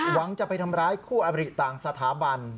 หวังจะไปทำร้ายคู่อบริต่างสถาบัน